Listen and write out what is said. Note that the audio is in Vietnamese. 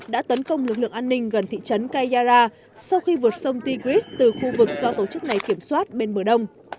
đã tấn công lực lượng an ninh gần thị trấn kayyara sau khi vượt sông tigris từ khu vực do tổ chức này kiểm soát bên bờ đông